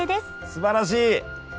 すばらしい！